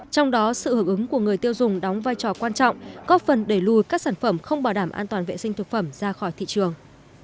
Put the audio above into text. trong đó sự hưởng ứng của người tiêu dùng đóng vai trò quan trọng góp phần đẩy lùi các sản phẩm không bảo đảm an toàn vệ sinh thực phẩm ra khỏi thị trường